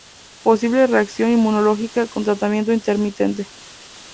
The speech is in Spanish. Posible reacción inmunológica con tratamiento intermitente.